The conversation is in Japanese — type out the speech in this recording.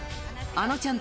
あのちゃん。